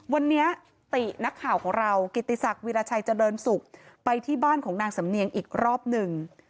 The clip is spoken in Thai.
วันนี้ตินักข่าวของเรากิติศักดิราชัยเจริญสุขไปที่บ้านของนางสำเนียงอีกรอบหนึ่ง